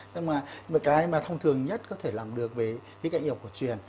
nhưng mà cái mà thông thường nhất có thể làm được về cái cạnh hiệu của truyền